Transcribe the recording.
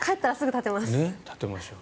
立てましょう。